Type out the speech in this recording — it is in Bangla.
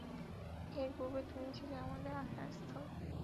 এর পূর্বে তুমি ছিলে আমাদের আশা-স্থল।